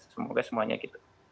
semoga semuanya begitu